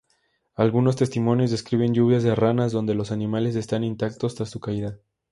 Algunos testimonios describen lluvias de ranas, donde los animales están intactos tras su caída.